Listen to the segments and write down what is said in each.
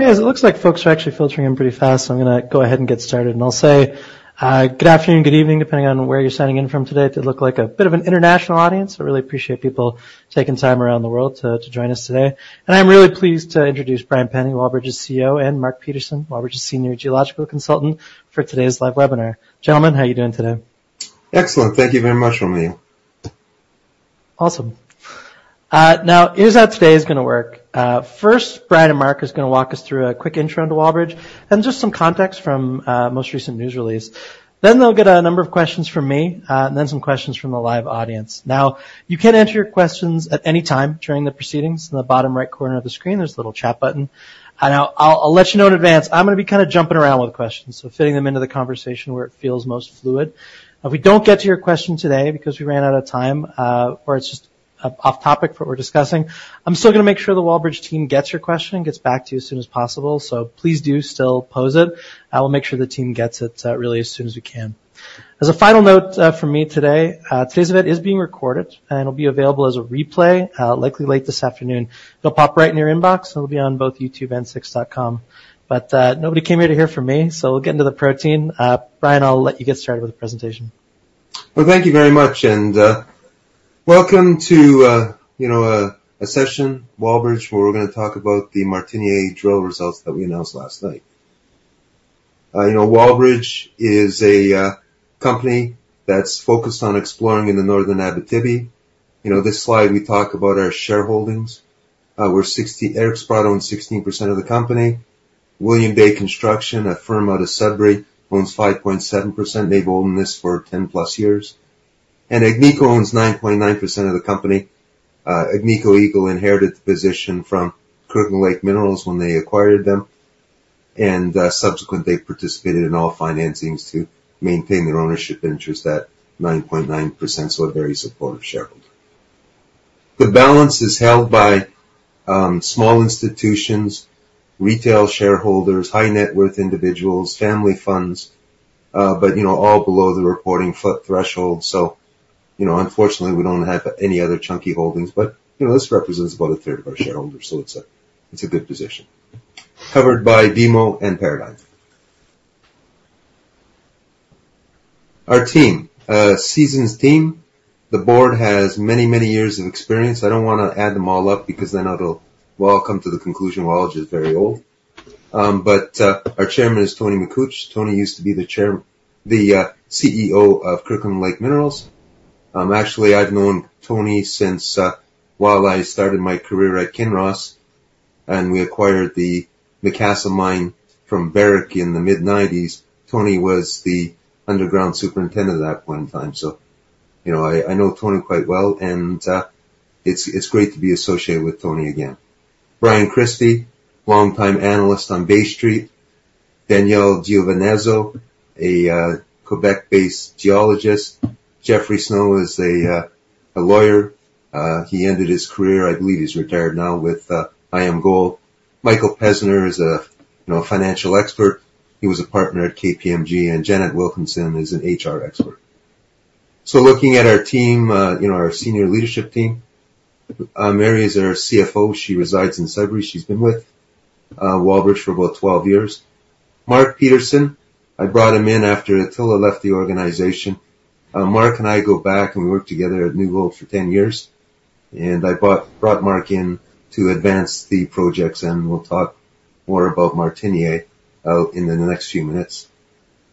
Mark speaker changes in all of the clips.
Speaker 1: Hey, guys. It looks like folks are actually filtering in pretty fast, so I'm going to go ahead and get started, and I'll say, good afternoon, good evening, depending on where you're signing in from today. It looks like a bit of an international audience. I really appreciate people taking time around the world to join us today, and I'm really pleased to introduce Brian Penny, Wallbridge's CEO, and Mark Petersen, Wallbridge's Senior Geological Consultant, for today's live webinar. Gentlemen, how are you doing today?
Speaker 2: Excellent. Thank you very much, Romeo.
Speaker 1: Awesome. Now, here's how today is going to work. First, Brian and Mark are going to walk us through a quick intro into Wallbridge and just some context from most recent news release. Then they'll get a number of questions from me, and then some questions from the live audience. Now, you can ask your questions at any time during the proceedings. In the bottom right corner of the screen, there's a little chat button, and I'll let you know in advance, I'm going to be kind of jumping around with questions, so fitting them into the conversation where it feels most fluid. If we don't get to your question today because we ran out of time, or it's just off topic for what we're discussing, I'm still going to make sure the Wallbridge team gets your question and gets back to you as soon as possible. So please do still pose it. I will make sure the team gets it really as soon as we can. As a final note from me today, today's event is being recorded and will be available as a replay, likely late this afternoon. It'll pop right in your inbox. It'll be on both YouTube and 6ix.com. But nobody came here to hear from me, so we'll get into the program. Brian, I'll let you get started with the presentation.
Speaker 2: Thank you very much. Welcome to, you know, a session, Wallbridge, where we're going to talk about the Martinière drill results that we announced last night. You know, Wallbridge is a company that's focused on exploring in the northern Abitibi. You know, this slide, we talk about our shareholdings. Eric Sprott owns 16% of the company. William Day Construction, a firm out of Sudbury, owns 5.7%. They've owned this for 10-plus years. Agnico owns 9.9% of the company. Agnico Eagle inherited the position from Kirkland Lake Gold when they acquired them. Subsequently, they participated in all financings to maintain their ownership interest at 9.9%, so a very supportive shareholder. The balance is held by small institutions, retail shareholders, high-net-worth individuals, family funds, but you know, all below the reporting threshold. You know, unfortunately, we don't have any other chunky holdings. You know, this represents about a third of our shareholders, so it's a good position. Covered by BMO and Paradigm. Our team, seasoned team, the board has many, many years of experience. I don't want to add them all up because then it'll, well, I'll come to the conclusion we're all just very old. Our chairman is Tony Makuch. Tony used to be the chair, the CEO of Kirkland Lake Gold. Actually, I've known Tony since while I started my career at Kinross, and we acquired the Macassa Mine from Barrick in the mid-'90s. Tony was the underground superintendent at that point in time. So, you know, I know Tony quite well. And, it's great to be associated with Tony again. Brian Christie, longtime analyst on Bay Street. Danielle Giovenazzo, a Quebec-based geologist. Jeffrey Snow is a lawyer. He ended his career, I believe he's retired now, with IAMGOLD. Michael Pesner is a, you know, financial expert. He was a partner at KPMG. And Janet Wilkinson is an HR expert. So looking at our team, you know, our senior leadership team, Mary is our CFO. She resides in Sudbury. She's been with Wallbridge for about 12 years. Mark Petersen, I brought him in after Attila left the organization. Mark and I go back, and we worked together at New Gold for 10 years. And I brought Mark in to advance the projects. And we'll talk more about Martinière in the next few minutes.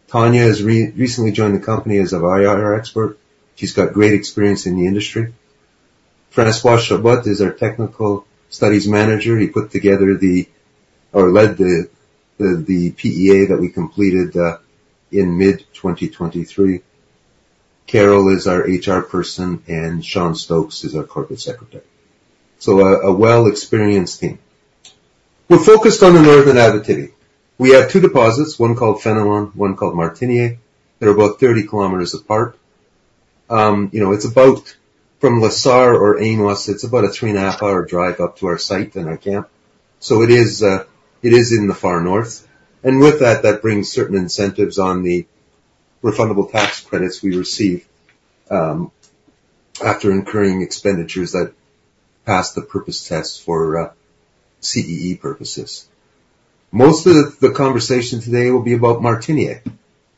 Speaker 2: Tanya has recently joined the company as a IR expert. She's got great experience in the industry. François Chabot is our technical studies manager. He put together the or led the PEA that we completed, in mid-2023. Carol is our HR person. Sean Stokes is our corporate secretary. So a well-experienced team. We're focused on the northern Abitibi. We have two deposits, one called Fenelon, one called Martinière. They're about 30 kilometers apart. You know, it's about from Larder Lake or Amos, it's about a three-and-a-half-hour drive up to our site and our camp. So it is, it is in the far north. And with that, that brings certain incentives on the refundable tax credits we receive, after incurring expenditures that pass the purpose test for CEE purposes. Most of the conversation today will be about Martinière,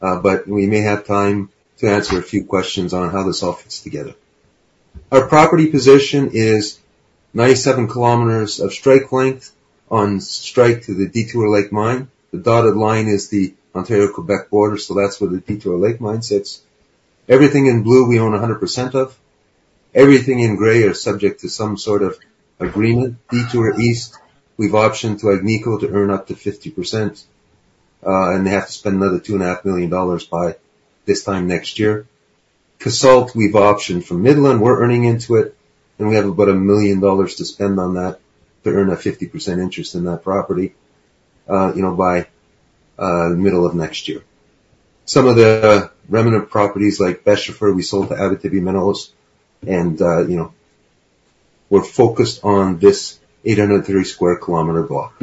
Speaker 2: but we may have time to answer a few questions on how this all fits together. Our property position is 97 kilometers of strike length on strike to the Detour Lake Mine. The dotted line is the Ontario-Quebec border, so that's where the Detour Lake Mine sits. Everything in blue we own 100% of. Everything in gray is subject to some sort of agreement. Detour East, we've optioned to Agnico to earn up to 50%, and they have to spend another 2.5 million dollars by this time next year. Casault, we've optioned for Midland. We're earning into it. And we have about 1 million dollars to spend on that to earn a 50% interest in that property, you know, by middle of next year. Some of the remnant properties, like Beschefer, we sold to Abitibi Metals. And, you know, we're focused on this 830 sq km block.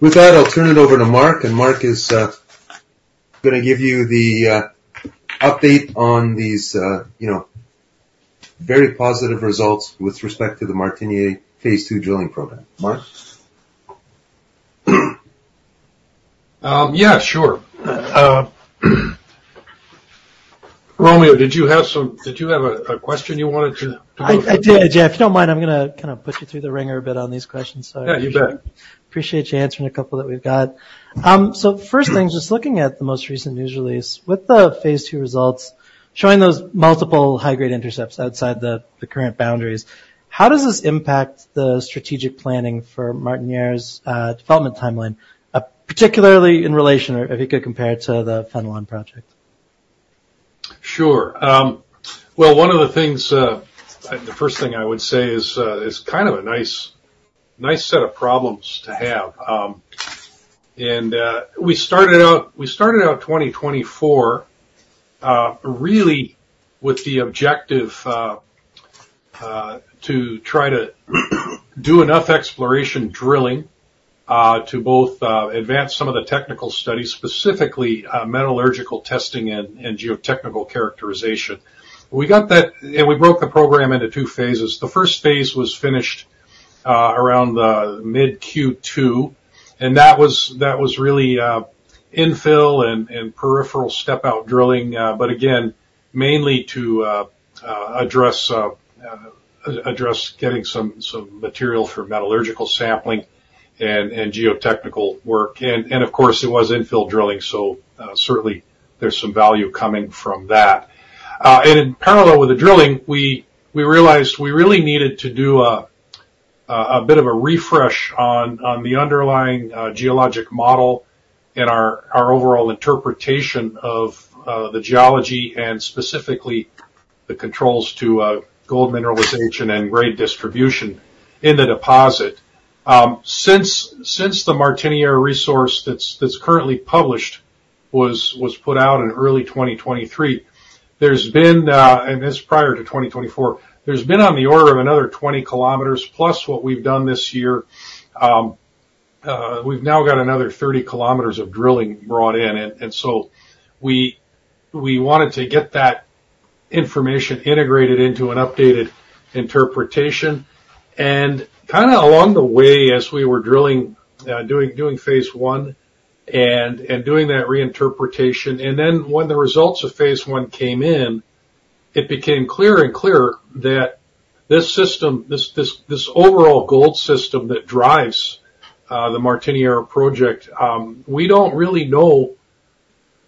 Speaker 1: With that, I'll turn it over to Mark. And Mark is going to give you the update on these, you know, very positive results with respect to the Martinière phase II drilling program. Mark?
Speaker 3: Yeah, sure. Romeo, did you have a question you wanted to go through?
Speaker 1: I did, yes. If you don't mind, I'm going to kind of put you through the wringer a bit on these questions.
Speaker 3: Yeah, you bet.
Speaker 1: So I appreciate you answering a couple that we've got. So first thing, just looking at the most recent news release, with the phase II results showing those multiple high-grade intercepts outside the current boundaries, how does this impact the strategic planning for Martinière's development timeline, particularly in relation, if you could compare it to the Fenelon project?
Speaker 3: Sure. Well, one of the things, the first thing I would say is kind of a nice set of problems to have. We started out 2024 really with the objective to try to do enough exploration drilling to both advance some of the technical studies, specifically metallurgical testing and geotechnical characterization. We got that, and we broke the program into two phases. The first phase was finished around the mid-Q2. That was really infill and peripheral step-out drilling, but again mainly to address getting some material for metallurgical sampling and geotechnical work. Of course, it was infill drilling, so certainly there's some value coming from that. and in parallel with the drilling, we realized we really needed to do a bit of a refresh on the underlying geologic model and our overall interpretation of the geology and specifically the controls to gold mineralization and grade distribution in the deposit. Since the Martinière resource that's currently published was put out in early 2023, there's been, and this is prior to 2024, there's been on the order of another 20 km plus what we've done this year. We've now got another 30 km of drilling brought in. And so we wanted to get that information integrated into an updated interpretation. Kind of along the way, as we were drilling, doing Phase I and doing that reinterpretation, and then when the results of Phase I came in, it became clearer and clearer that this system, this overall gold system that drives the Martinière project, we don't really know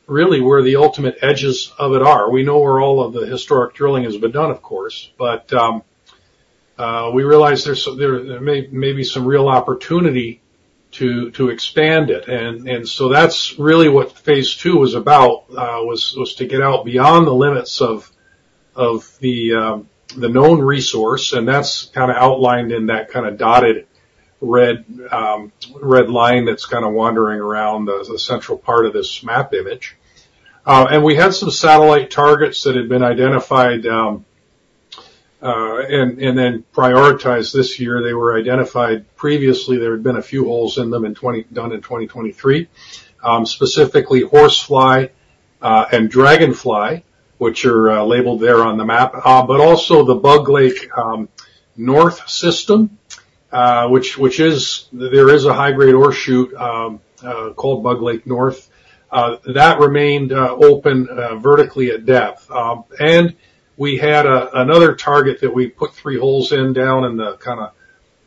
Speaker 3: where the ultimate edges of it are. We know where all of the historic drilling has been done, of course. We realize there's there may be some real opportunity to expand it. So that's really what Phase II was about, was to get out beyond the limits of the known resource. That's kind of outlined in that kind of dotted red line that's kind of wandering around the central part of this map image. We had some satellite targets that had been identified, and then prioritized this year. They were identified previously. There had been a few holes in them in 2020 done in 2023, specifically Horsefly and Dragonfly, which are labeled there on the map, but also the Bug Lake North system, which is a high-grade shoot called Bug Lake North that remained open vertically at depth. We had another target that we put three holes in down in the kind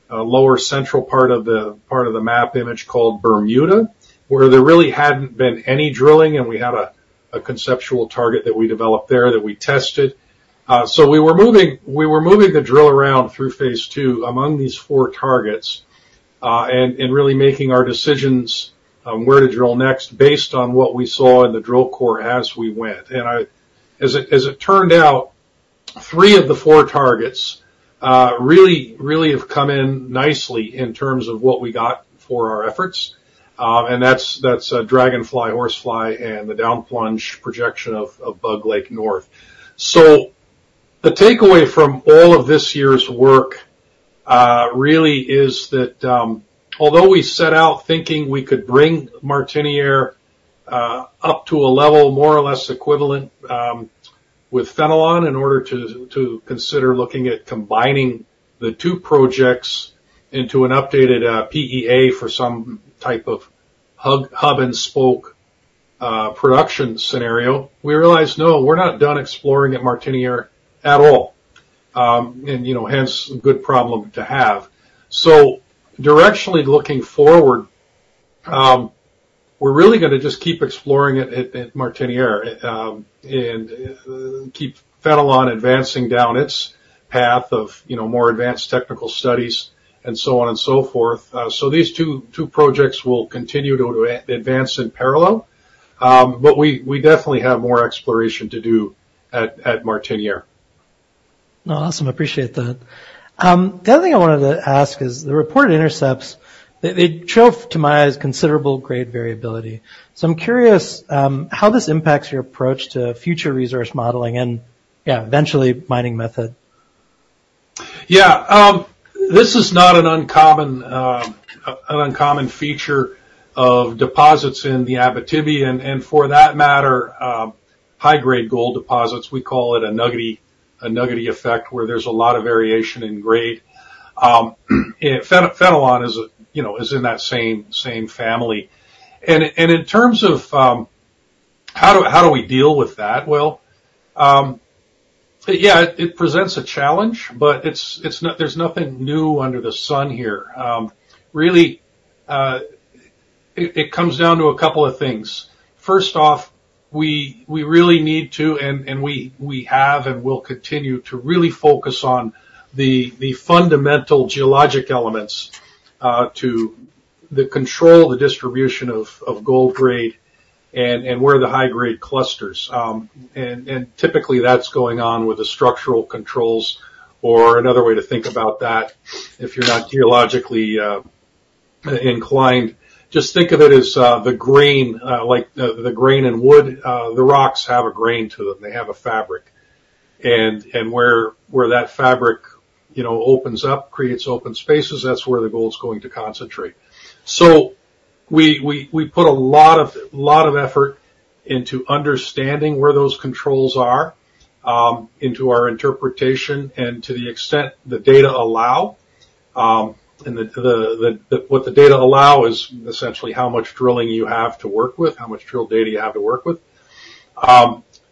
Speaker 3: of lower central part of the map image called Bermuda, where there really hadn't been any drilling. We had a conceptual target that we developed there that we tested. So we were moving the drill around through Phase II among these four targets, and really making our decisions on where to drill next based on what we saw in the drill core as we went. As it turned out, three of the four targets really have come in nicely in terms of what we got for our efforts, and that's Dragonfly, Horsefly, and the downplunge projection of Bug Lake North. The takeaway from all of this year's work really is that, although we set out thinking we could bring Martiniere up to a level more or less equivalent with Fenelon in order to consider looking at combining the two projects into an updated PEA for some type of hub-and-spoke production scenario, we realized, no, we're not done exploring at Martiniere at all. And, you know, hence a good problem to have. So directionally looking forward, we're really going to just keep exploring it at Martinière, and keep Fenelon advancing down its path of, you know, more advanced technical studies and so on and so forth. So these two projects will continue to advance in parallel. But we definitely have more exploration to do at Martinière.
Speaker 1: Awesome. Appreciate that. The other thing I wanted to ask is the reported intercepts. They show to my eyes considerable grade variability. So I'm curious, how this impacts your approach to future resource modeling and, yeah, eventually mining method.
Speaker 3: Yeah. This is not an uncommon feature of deposits in the Abitibi. For that matter, high-grade gold deposits, we call it a nuggety effect where there's a lot of variation in grade. Fenelon is, you know, in that same family. In terms of how do we deal with that? Well, yeah, it presents a challenge, but it's not. There's nothing new under the sun here. Really, it comes down to a couple of things. First off, we really need to, and we have and will continue to really focus on the fundamental geologic elements to control the distribution of gold grade and where the high-grade clusters. Typically, that's going on with the structural controls or another way to think about that if you're not geologically inclined. Just think of it as the grain, like the grain in wood. The rocks have a grain to them. They have a fabric. And where that fabric, you know, opens up, creates open spaces, that's where the gold's going to concentrate. So we put a lot of effort into understanding where those controls are, into our interpretation and to the extent the data allow. And what the data allow is essentially how much drilling you have to work with, how much drill data you have to work with.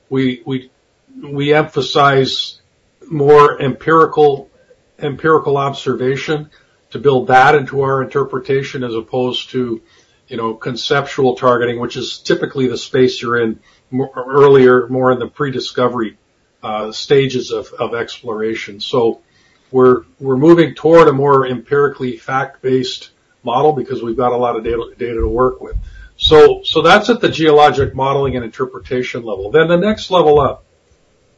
Speaker 3: We emphasize more empirical observation to build that into our interpretation as opposed to, you know, conceptual targeting, which is typically the space you're in earlier, more in the pre-discovery stages of exploration. So we're moving toward a more empirically fact-based model because we've got a lot of data to work with. So that's at the geologic modeling and interpretation level. Then the next level up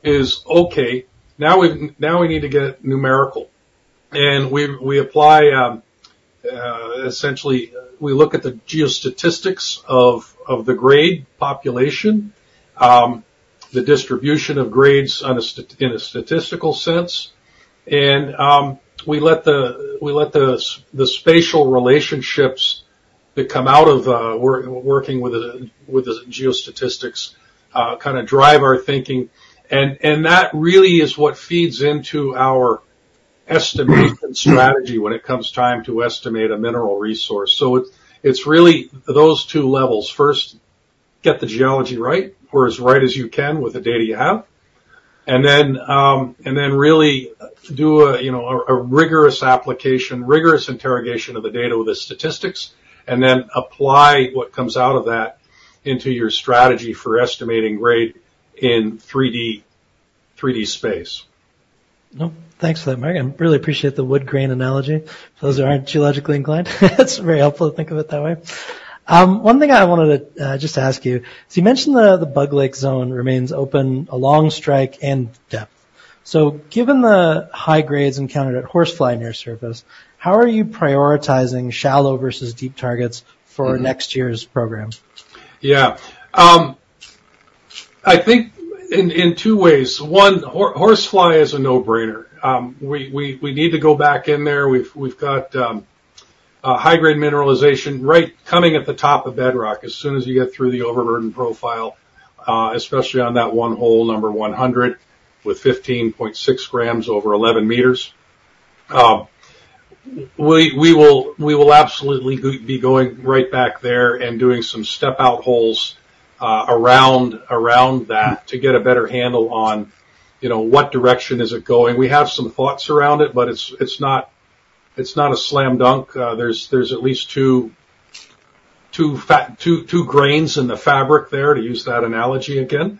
Speaker 3: is, okay, now we need to get numerical. And we apply, essentially, we look at the geostatistics of the grade population, the distribution of grades in a statistical sense. And we let the spatial relationships that come out of working with the geostatistics kind of drive our thinking. And that really is what feeds into our estimation strategy when it comes time to estimate a mineral resource. So it's really those two levels. First, get the geology right, or as right as you can with the data you have. And then really do, you know, a rigorous application, rigorous interrogation of the data with the statistics, and then apply what comes out of that into your strategy for estimating grade in 3D space.
Speaker 1: Well, thanks for that, Mark. I really appreciate the wood grain analogy. Those who aren't geologically inclined, that's very helpful to think of it that way. One thing I wanted to just ask you is you mentioned the Bug Lake zone remains open along strike and depth. So given the high grades encountered at Horsefly near surface, how are you prioritizing shallow versus deep targets for next year's program?
Speaker 3: Yeah. I think in two ways. One, Horsefly is a no-brainer. We need to go back in there. We've got high-grade mineralization right coming at the top of bedrock as soon as you get through the overburden profile, especially on that one hole number 100 with 15.6 grams over 11 meters. We will absolutely be going right back there and doing some step-out holes around that to get a better handle on, you know, what direction is it going. We have some thoughts around it, but it's not a slam dunk. There's at least two faults, two grains in the fabric there to use that analogy again.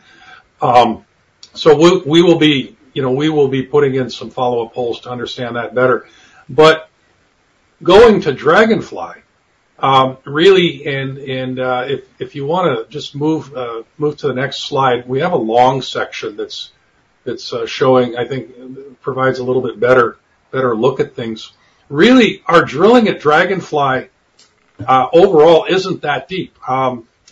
Speaker 3: So we will be, you know, we will be putting in some follow-up holes to understand that better. But going to Dragonfly, really, and if you want to just move to the next slide, we have a long section that's showing, I think, provides a little bit better look at things. Really, our drilling at Dragonfly, overall isn't that deep,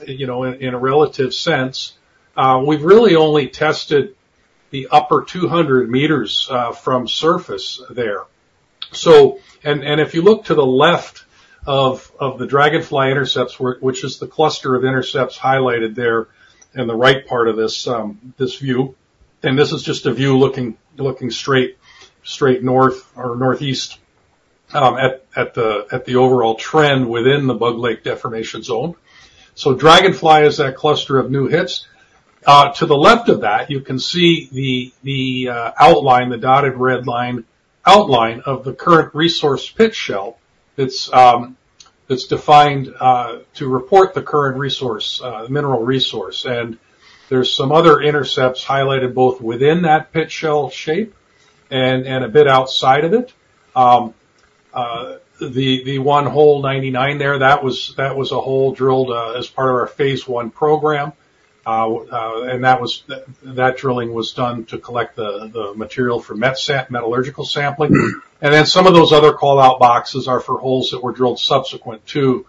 Speaker 3: you know, in a relative sense. We've really only tested the upper 200 meters from surface there. So, and if you look to the left of the Dragonfly intercepts, which is the cluster of intercepts highlighted there in the right part of this view, and this is just a view looking straight north or northeast, at the overall trend within the Bug Lake deformation zone. So Dragonfly is that cluster of new hits. To the left of that, you can see the outline, the dotted red line outline of the current resource pit shell that's defined to report the current resource, mineral resource. And there's some other intercepts highlighted both within that pit shell shape and a bit outside of it. The one hole 99 there, that was a hole drilled as part of our phase I program. And that drilling was done to collect the material for metallurgical sampling. And then some of those other callout boxes are for holes that were drilled subsequent to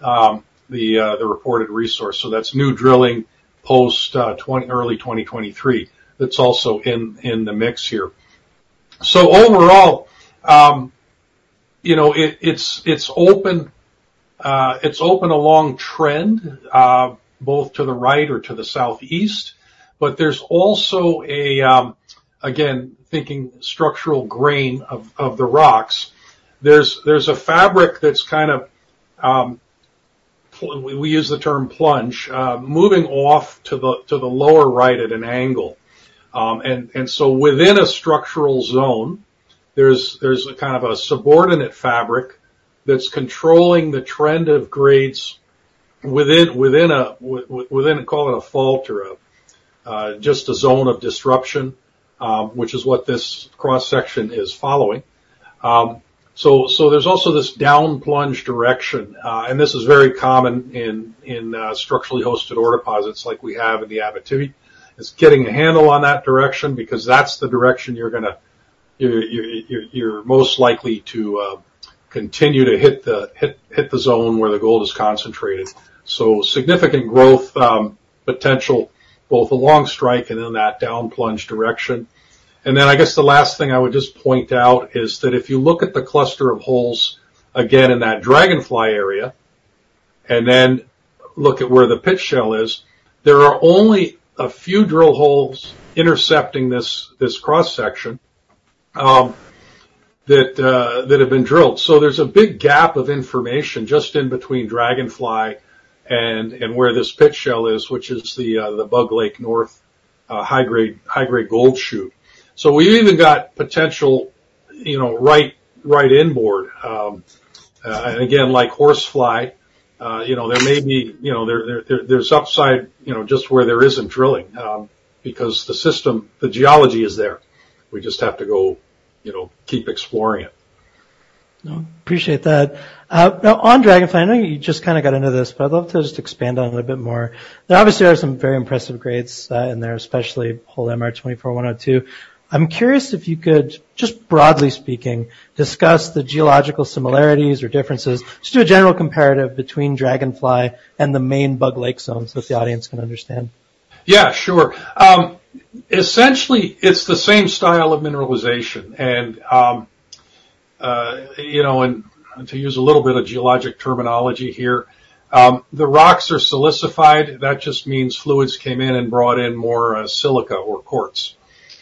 Speaker 3: the reported resource. So that's new drilling post-2020, early 2023. That's also in the mix here. So overall, you know, it's open, it's open along trend, both to the right or to the southeast. But there's also, again, thinking structural grain of the rocks. There's a fabric that's kind of, we use the term plunge, moving off to the lower right at an angle. And so within a structural zone, there's a kind of a subordinate fabric that's controlling the trend of grades within a, call it a fault or, just a zone of disruption, which is what this cross-section is following. So there's also this downplunge direction. And this is very common in structurally hosted ore deposits like we have in the Abitibi. It's getting a handle on that direction because that's the direction you're going to most likely continue to hit the zone where the gold is concentrated. So significant growth potential both along strike and in that downplunge direction. And then I guess the last thing I would just point out is that if you look at the cluster of holes again in that Dragonfly area and then look at where the pit shell is, there are only a few drill holes intercepting this cross-section that have been drilled. So there's a big gap of information just in between Dragonfly and where this pit shell is, which is the Bug Lake North high-grade gold shoot. So we've even got potential, you know, right inboard. And again, like Horsefly, you know, there may be, you know, there's upside, you know, just where there isn't drilling, because the system, the geology is there. We just have to go, you know, keep exploring it.
Speaker 1: Appreciate that. Now on Dragonfly, I know you just kind of got into this, but I'd love to just expand on it a little bit more. There obviously are some very impressive grades in there, especially hole MR24102. I'm curious if you could, just broadly speaking, discuss the geological similarities or differences, just do a general comparative between Dragonfly and the main Bug Lake zones so that the audience can understand.
Speaker 3: Yeah, sure. Essentially, it's the same style of mineralization. You know, to use a little bit of geologic terminology here, the rocks are silicified. That just means fluids came in and brought in more silica or quartz,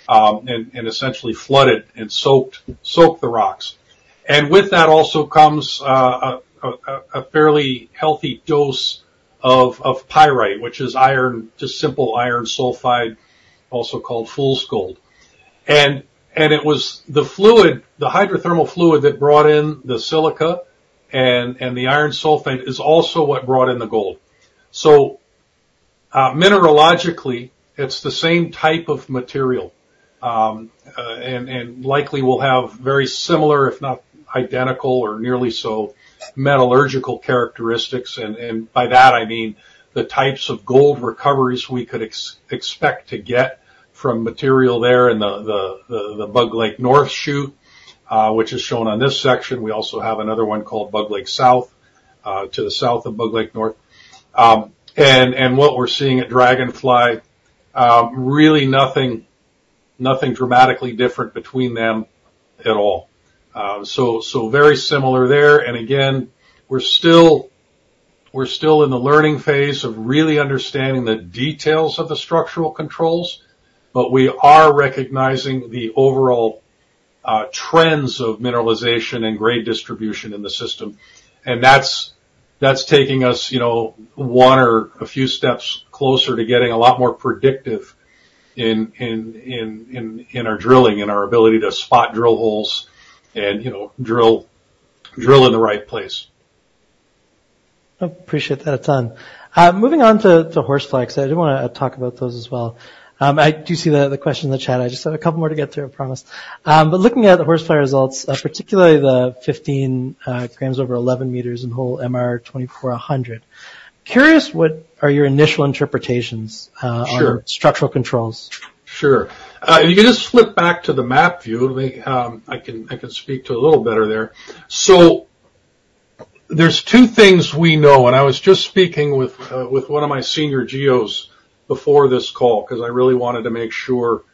Speaker 3: and essentially flooded and soaked the rocks. With that also comes a fairly healthy dose of pyrite, which is iron, just simple iron sulfide, also called fool's gold. It was the fluid, the hydrothermal fluid that brought in the silica and the iron sulfide is also what brought in the gold. Mineralogically, it's the same type of material, and likely will have very similar, if not identical or nearly so metallurgical characteristics. And by that, I mean the types of gold recoveries we could expect to get from material there in the Bug Lake North shoot, which is shown on this section. We also have another one called Bug Lake South, to the south of Bug Lake North. And what we're seeing at Dragonfly, really nothing dramatically different between them at all. So very similar there. And again, we're still in the learning phase of really understanding the details of the structural controls, but we are recognizing the overall trends of mineralization and grade distribution in the system. And that's taking us, you know, one or a few steps closer to getting a lot more predictive in our drilling and our ability to spot drill holes and, you know, drill in the right place.
Speaker 1: Appreciate that, Brian. Moving on to Horsefly, because I did want to talk about those as well. I do see the question in the chat. I just have a couple more to get through, I promise. But looking at the Horsefly results, particularly the 15 grams over 11 meters in hole MR24100, curious what are your initial interpretations on structural controls?
Speaker 3: Sure. If you could just flip back to the map view, let me, I can speak to it a little better there. So there's two things we know, and I was just speaking with one of my senior geos before this call because I really wanted to make sure,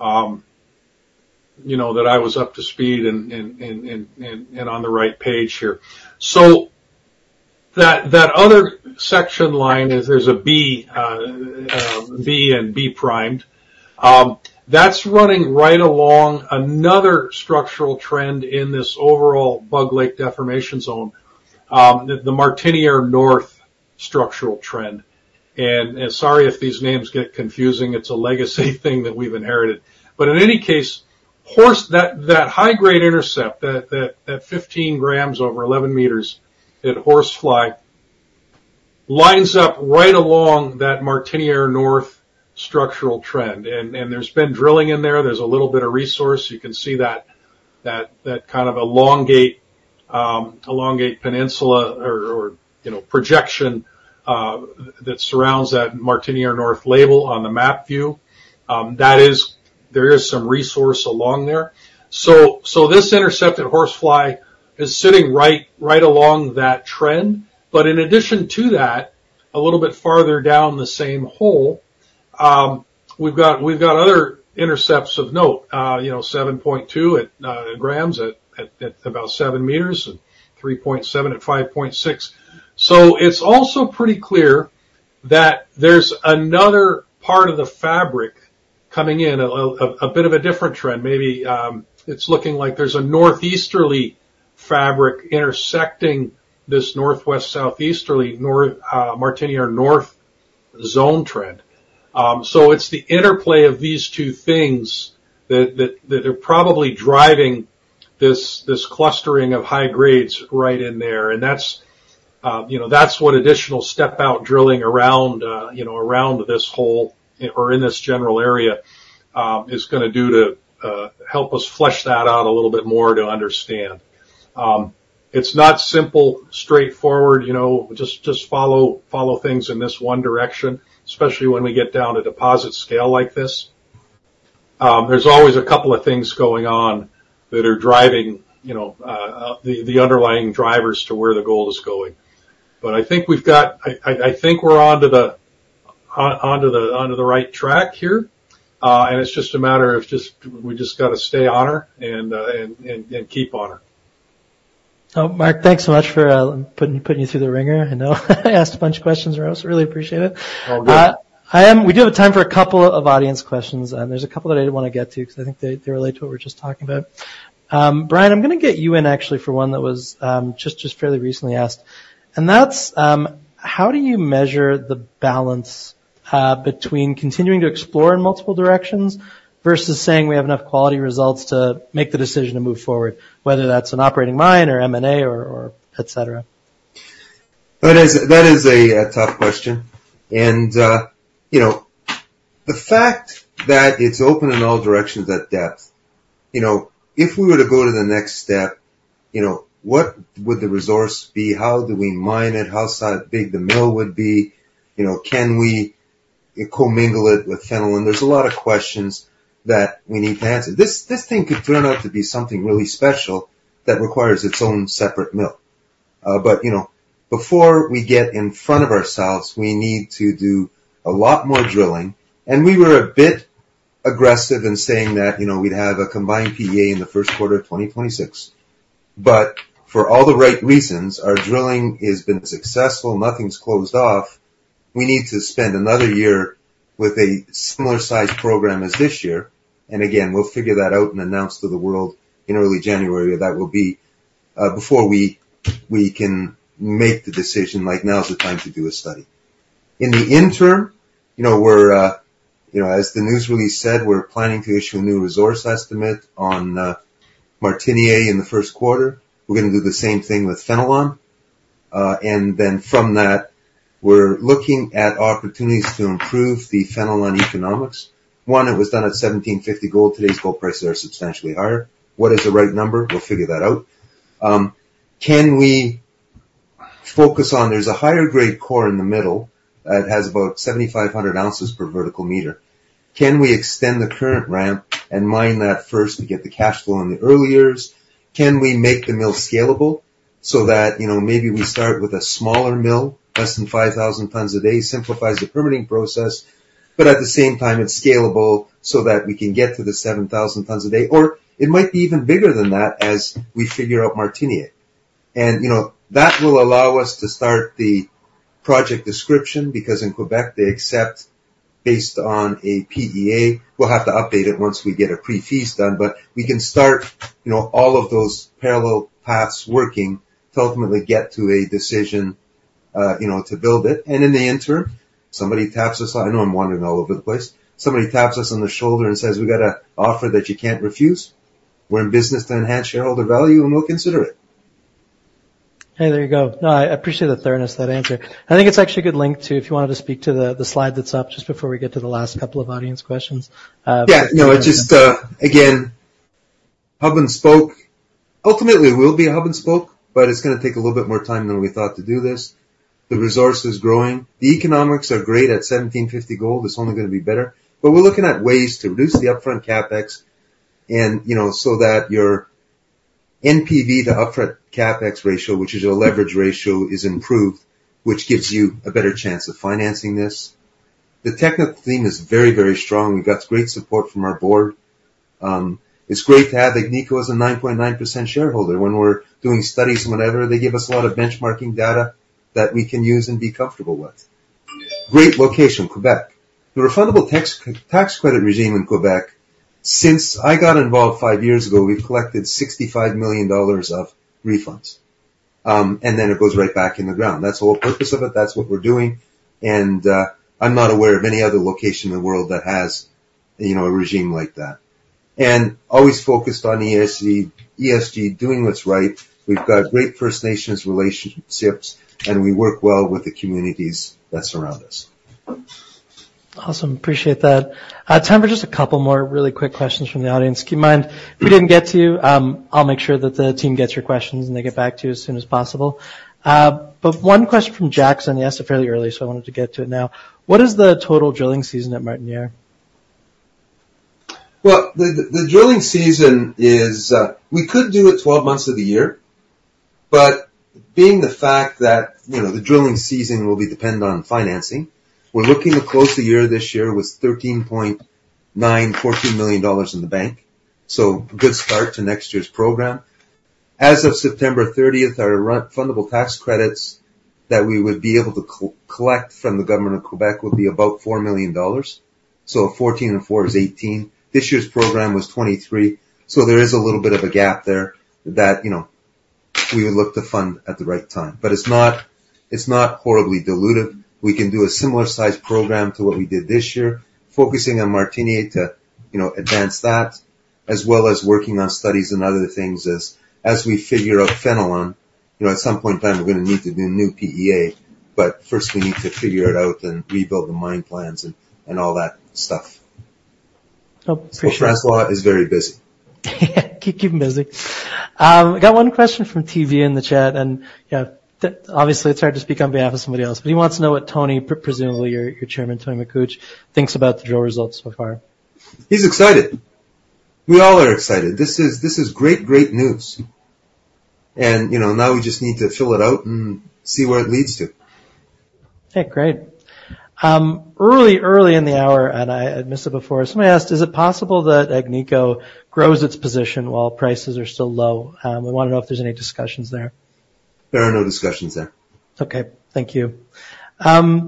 Speaker 3: you know, that I was up to speed and on the right page here. So that other section line is, there's a B, B and B primed. That's running right along another structural trend in this overall Bug Lake deformation zone, the Martinière North structural trend. Sorry if these names get confusing. It's a legacy thing that we've inherited. In any case, Horsefly, that high-grade intercept, that 15 grams over 11 meters at Horsefly lines up right along that Martinière North structural trend. There's been drilling in there. There's a little bit of resource. You can see that kind of elongate peninsula or, you know, projection that surrounds that Martinière North label on the map view. That is, there is some resource along there. So this intercept at Horsefly is sitting right along that trend. But in addition to that, a little bit farther down the same hole, we've got other intercepts of note, you know, 7.2 grams at about 7 meters and 3.7 at 5.6. So it's also pretty clear that there's another part of the fabric coming in, a bit of a different trend. Maybe it's looking like there's a northeasterly fabric intersecting this northwest, southeasterly, north, Martinière North zone trend. So it's the interplay of these two things that are probably driving this clustering of high grades right in there. And that's, you know, that's what additional step-out drilling around, you know, around this hole or in this general area, is going to do to help us flesh that out a little bit more to understand. It's not simple, straightforward, you know, just follow things in this one direction, especially when we get down to deposit scale like this. There's always a couple of things going on that are driving, you know, the underlying drivers to where the gold is going. But I think we've got, I think we're onto the right track here. And it's just a matter of just, we just got to stay on her and keep on her.
Speaker 1: Mark, thanks so much for putting you through the wringer. I know I asked a bunch of questions around. I really appreciate it.
Speaker 3: All good.
Speaker 1: I am, we do have time for a couple of audience questions. There's a couple that I didn't want to get to because I think they relate to what we're just talking about. Brian, I'm going to get you in actually for one that was just fairly recently asked. And that's, how do you measure the balance between continuing to explore in multiple directions versus saying we have enough quality results to make the decision to move forward, whether that's an operating mine or M&A or et cetera?
Speaker 2: That is, that is a tough question. And, you know, the fact that it's open in all directions at depth, you know, if we were to go to the next step, you know, what would the resource be? How do we mine it? How size, how big the mill would be? You know, can we commingle it with Fenelon? And there's a lot of questions that we need to answer. This, this thing could turn out to be something really special that requires its own separate mill. But, you know, before we get in front of ourselves, we need to do a lot more drilling. And we were a bit aggressive in saying that, you know, we'd have a combined PEA in the first quarter of 2026. But for all the right reasons, our drilling has been successful. Nothing's closed off. We need to spend another year with a similar size program as this year, and again, we'll figure that out and announce to the world in early January that that will be, before we, we can make the decision, like now's the time to do a study. In the interim, you know, we're, you know, as the news release said, we're planning to issue a new resource estimate on Martinière in the first quarter. We're going to do the same thing with Fenelon, and then from that, we're looking at opportunities to improve the Fenelon economics. One, it was done at $1,750 gold. Today's gold prices are substantially higher. What is the right number? We'll figure that out. Can we focus on, there's a higher grade core in the middle. It has about 7,500 ounces per vertical meter. Can we extend the current ramp and mine that first to get the cash flow in the earlier? Can we make the mill scalable so that, you know, maybe we start with a smaller mill, less than 5,000 tons a day, simplifies the permitting process, but at the same time, it's scalable so that we can get to the 7,000 tons a day, or it might be even bigger than that as we figure out Martinière. You know, that will allow us to start the project description because in Quebec, they accept based on a PEA. We'll have to update it once we get a pre-feasibility done, but we can start, you know, all of those parallel paths working to ultimately get to a decision, you know, to build it. And in the interim, somebody taps us. I know I'm wandering all over the place. Somebody taps us on the shoulder and says, we've got an offer that you can't refuse. We're in business to enhance shareholder value and we'll consider it.
Speaker 1: Hey, there you go. No, I appreciate the thoroughness of that answer. I think it's actually a good link to, if you wanted to speak to the slide that's up just before we get to the last couple of audience questions. Yeah, no, it just, again, hub and spoke, ultimately it will be hub and spoke, but it's going to take a little bit more time than we thought to do this. The resource is growing. The economics are great at $1,750 gold. It's only going to be better. But we're looking at ways to reduce the upfront CapEx and, you know, so that your NPV to upfront CapEx ratio, which is your leverage ratio, is improved, which gives you a better chance of financing this. The technical team is very, very strong. We've got great support from our board. It's great to have Agnico as a 9.9% shareholder when we're doing studies and whatever. They give us a lot of benchmarking data that we can use and be comfortable with. Great location, Quebec. The refundable tax credit regime in Quebec, since I got involved five years ago, we've collected 65 million dollars of refunds, and then it goes right back in the ground. That's the whole purpose of it. That's what we're doing. And, I'm not aware of any other location in the world that has, you know, a regime like that. And always focused on ESG, ESG doing what's right. We've got great First Nations relationships and we work well with the communities that surround us. Awesome. Appreciate that. Tan, for just a couple more really quick questions from the audience. Keep in mind, if we didn't get to you, I'll make sure that the team gets your questions and they get back to you as soon as possible. But one question from Jackson. He asked it fairly early, so I wanted to get to it now. What is the total drilling season at Martinière?
Speaker 2: The drilling season is. We could do it 12 months of the year, but being the fact that, you know, the drilling season will be dependent on financing. We're looking to close the year this year with 13.9-14 million dollars in the bank. So good start to next year's program. As of September 30th, our refundable tax credits that we would be able to collect from the government of Quebec would be about 4 million dollars. So 14 and 4 is 18. This year's program was 23. So there is a little bit of a gap there that, you know, we would look to fund at the right time. But it's not horribly dilutive. We can do a similar size program to what we did this year, focusing on Martinière to, you know, advance that, as well as working on studies and other things as we figure out Fenelon, you know, at some point in time, we're going to need to do new PEA. But first, we need to figure it out and rebuild the mine plans and all that stuff.
Speaker 1: Oh, appreciate it.
Speaker 2: François is very busy.
Speaker 1: Keep him busy. I got one question from TV in the chat, and yeah, obviously it's hard to speak on behalf of somebody else, but he wants to know what Tony, presumably your, your chairman, Tony Makuch, thinks about the drill results so far.
Speaker 2: He's excited. We all are excited. This is, this is great, great news. And, you know, now we just need to fill it out and see where it leads to.
Speaker 1: Okay, great. Early in the hour, and I missed it before. Somebody asked, is it possible that Agnico grows its position while prices are still low? We want to know if there's any discussions there.
Speaker 2: There are no discussions there.
Speaker 1: Okay. Thank you.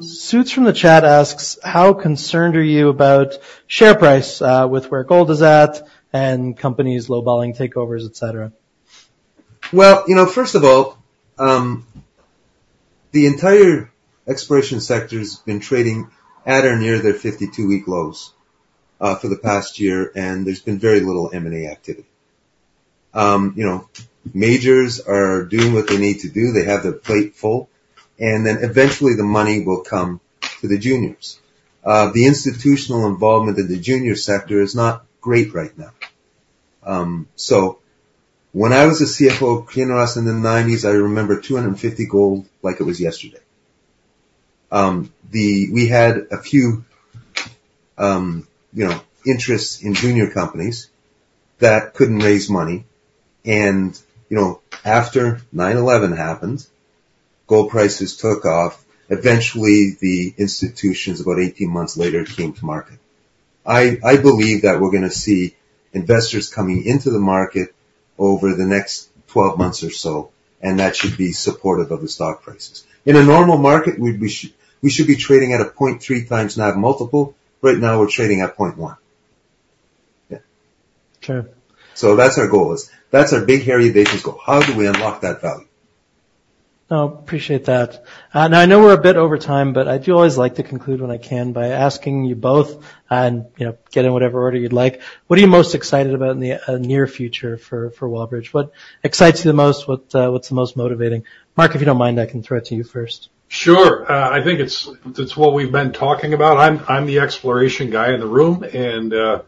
Speaker 1: Suits from the chat asks, how concerned are you about share price, with where gold is at and companies lowballing takeovers, et cetera?
Speaker 2: Well, you know, first of all, the entire exploration sector has been trading at or near their 52-week lows for the past year, and there's been very little M&A activity. You know, majors are doing what they need to do. They have their plate full. And then eventually the money will come to the juniors. The institutional involvement in the junior sector is not great right now. So when I was a CFO of Kinross in the 1990s, I remember $250 gold like it was yesterday. We had a few, you know, interests in junior companies that couldn't raise money. And, you know, after 9/11 happened, gold prices took off. Eventually, the institutions, about 18 months later, came to market. I, I believe that we're going to see investors coming into the market over the next 12 months or so, and that should be supportive of the stock prices. In a normal market, we should be trading at a 0.3 times NAV multiple. Right now, we're trading at 0.1.
Speaker 1: Okay.
Speaker 2: So that's our goal. That's our big, hairy vision goal. How do we unlock that value?
Speaker 1: I appreciate that, and I know we're a bit over time, but I do always like to conclude when I can by asking you both and, you know, get in whatever order you'd like. What are you most excited about in the near future for Wallbridge? What excites you the most? What's the most motivating? Mark, if you don't mind, I can throw it to you first.
Speaker 3: Sure. I think it's what we've been talking about. I'm the exploration guy in the room, and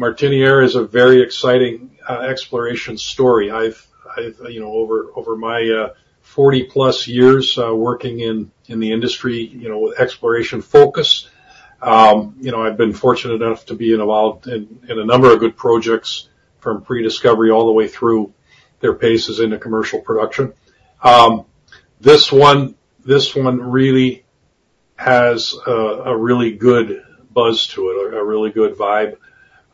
Speaker 3: Martinière is a very exciting exploration story. I've you know, over my 40 plus years, working in the industry, you know, with exploration focus. You know, I've been fortunate enough to be involved in a number of good projects from pre-discovery all the way through their paces into commercial production. This one really has a really good buzz to it, a really good vibe.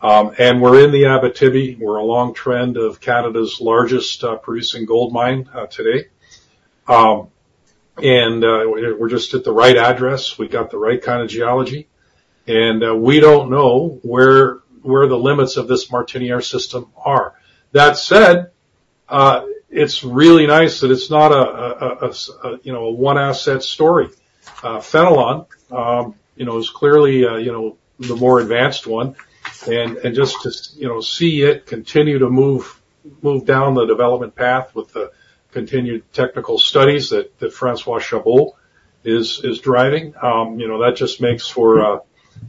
Speaker 3: And we're in the Abitibi. We're along the trend of Canada's largest producing gold mine today. And we're just at the right address. We've got the right kind of geology. And we don't know where the limits of this Martinière system are. That said, it's really nice that it's not a, you know, a one asset story. Fenelon, you know, is clearly, you know, the more advanced one. And just to, you know, see it continue to move down the development path with the continued technical studies that François Chabot is driving. You know, that just makes for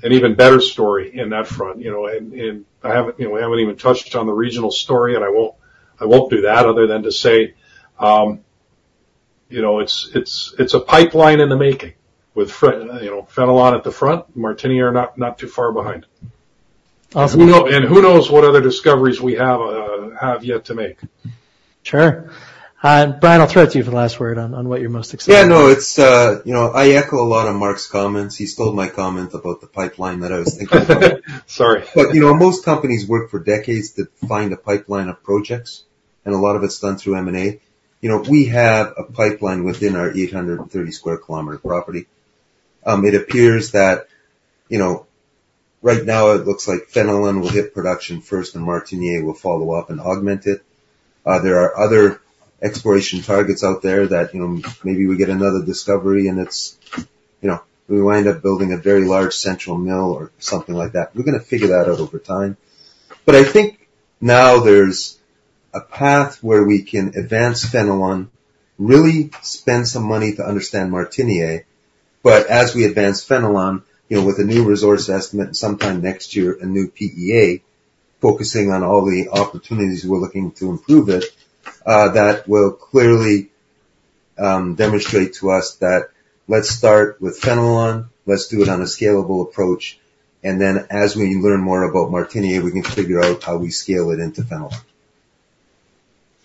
Speaker 3: an even better story in that front, you know. And I haven't, you know, I haven't even touched on the regional story, and I won't do that other than to say, you know, it's a pipeline in the making with, you know, Fenelon at the front, Martinière not too far behind.
Speaker 1: Awesome.
Speaker 3: And who knows what other discoveries we have yet to make.
Speaker 1: Sure. Brian, I'll throw it to you for the last word on what you're most excited about.
Speaker 2: Yeah, no, it's, you know, I echo a lot of Mark's comments. He stole my comment about the pipeline that I was thinking about.
Speaker 1: Sorry.
Speaker 2: But, you know, most companies work for decades to find a pipeline of projects, and a lot of it's done through M&A. You know, we have a pipeline within our 830 square kilometer property. It appears that, you know, right now it looks like Fenelon will hit production first, and Martinière will follow up and augment it. There are other exploration targets out there that, you know, maybe we get another discovery and it's, you know, we wind up building a very large central mill or something like that. We're going to figure that out over time. But I think now there's a path where we can advance Fenelon, really spend some money to understand Martinière. But as we advance Fenelon, you know, with a new resource estimate and sometime next year, a new PEA, focusing on all the opportunities we're looking to improve it, that will clearly demonstrate to us that let's start with Fenelon, let's do it on a scalable approach. And then as we learn more about Martinière, we can figure out how we scale it into Fenelon.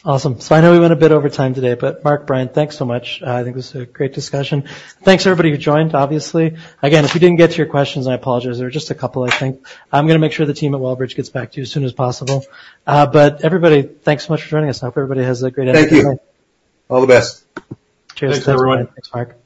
Speaker 1: Awesome, so I know we went a bit over time today, but Mark, Brian, thanks so much. I think it was a great discussion. Thanks to everybody who joined, obviously. Again, if you didn't get to your questions, I apologize. There were just a couple, I think. I'm going to make sure the team at Wallbridge gets back to you as soon as possible, but everybody, thanks so much for joining us. I hope everybody has a great end of the day.
Speaker 2: Thank you. All the best.
Speaker 1: Cheers.
Speaker 3: Thanks, everyone.
Speaker 1: Thanks, Mark.